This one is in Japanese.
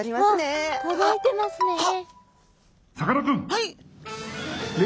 はい！